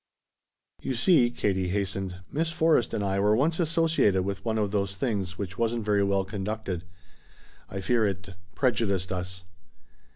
"You see," Katie hastened, "Miss Forrest and I were once associated with one of those things which wasn't very well conducted. I fear it prejudiced us."